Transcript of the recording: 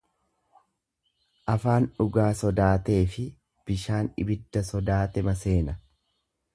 Afaan dhugaa sodaateefi bishaan ibidda sodaate maseena.